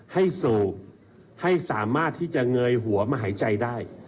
สูบให้สามารถที่จะเงยหัวมาหายใจได้